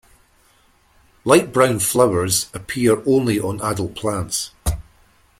Light brown flowers appear only on adult plants.